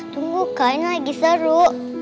tunggu kak ini lagi seru